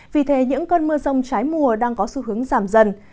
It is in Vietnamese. vì thế những cơn mưa rông trái mùa đang có xu hướng giảm dần